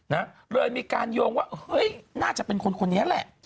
นะเลยมีการโยงว่าเฮ้ยน่าจะเป็นคนคนนี้แหละ